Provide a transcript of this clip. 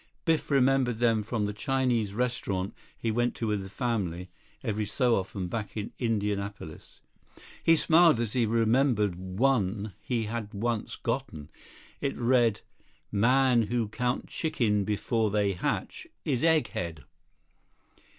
Biff remembered them from the Chinese restaurant he went to with the family every so often back in Indianapolis. He smiled as he remembered one he had once gotten. It had read: "Man who count chickens before they hatch is egghead."